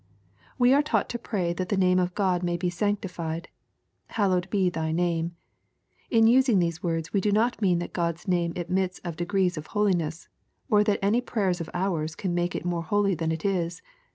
We are taught to pray that the name of God may be sanctified :" Hallowed be thy name." In using these words, we do not mean that God's name admits of de grees of holiness, or that any prayers of ours can make it more holy than it is.